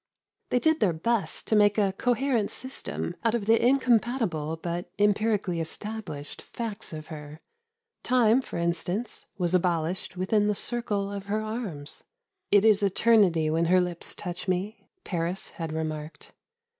They did their best to make a coherent system out of the incompatible, but empirically established, facts of her. Time, for instance, was abolished within the circle of her arms. ' It is eternity when her lips touch me,' Paris had remarked.